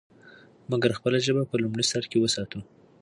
مګر خپله ژبه په لومړي سر کې وساتو.